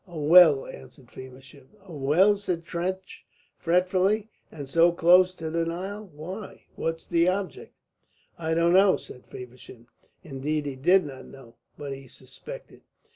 "A well," answered Feversham. "A well?" said Trench, fretfully, "and so close to the Nile! Why? What's the object?" "I don't know," said Feversham. Indeed he did not know, but he suspected.